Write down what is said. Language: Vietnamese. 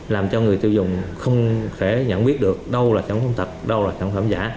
làm cho người tiêu dùng không thể nhận biết được đâu là sản phẩm thật đâu là sản phẩm giả